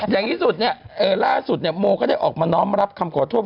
อย่างที่สุดเนี่ยล่าสุดเนี่ยโมก็ได้ออกมาน้อมรับคำขอโทษ